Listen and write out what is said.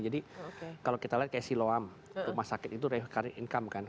jadi kalau kita lihat kayak siloam rumah sakit itu re income kan